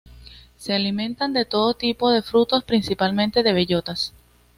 Se alimentan de todo tipo de frutos, principalmente de bellotas.